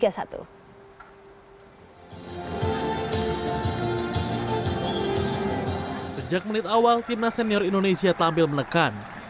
sejak menit awal timnas senior indonesia tampil menekan